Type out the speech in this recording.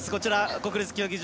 国立競技場